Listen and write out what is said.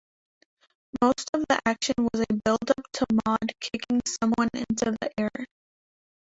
Most of the action was a build-up to Maud kicking someone into the air.